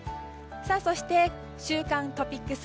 そして週間トピックス。